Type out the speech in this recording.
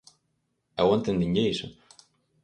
Eu entendinlle iso.